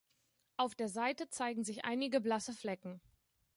Auf der Seite zeigen sich einige blasse Flecken.